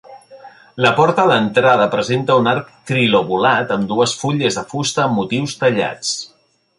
La porta d'entrada presenta un arc trilobulat amb dues fulles de fusta, amb motius tallats.